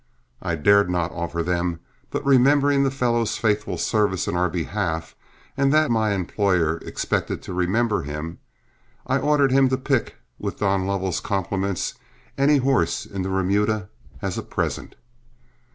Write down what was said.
I dared not offer them; but remembering the fellow's faithful service in our behalf, and that my employer expected to remember him, I ordered him to pick, with Don Lovell's compliments, any horse in the remuda as a present.